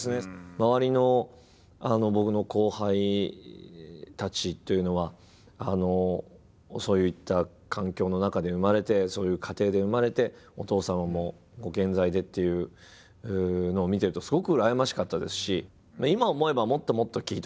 周りの僕の後輩たちというのはそういった環境の中で生まれてそういう家庭で生まれてお父様もご健在でっていうのを見てるとすごく羨ましかったですし。